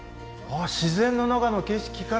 自然の中の景色から。